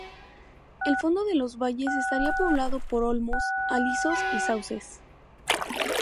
El fondo de los valles estaría poblado por olmos, alisos y sauces.